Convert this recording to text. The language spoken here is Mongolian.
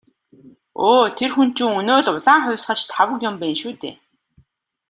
Өө тэр хүн чинь өнөө л «улаан хувьсгалч» Лхагва юм байна шүү дээ.